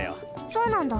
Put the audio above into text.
そうなんだ。